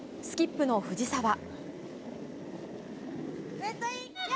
スキップの藤澤。